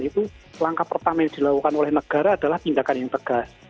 itu langkah pertama yang dilakukan oleh negara adalah tindakan yang tegas